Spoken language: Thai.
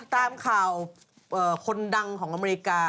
ตามข่าวคนดังของอเมริกา